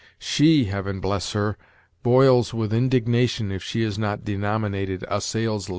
She, Heaven bless her! boils with indignation if she is not denominated a sales lady.